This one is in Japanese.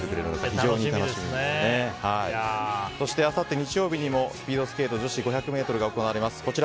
あさって日曜日にもスピードスケート女子５００ｍが行われます。